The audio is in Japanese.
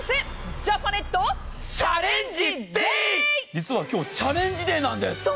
実は今日、チャレンジデーなんです。